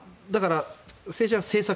政治は政策